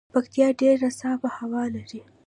پکتيا ډیره صافه هوا لري